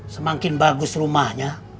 semakin bagus rumahnya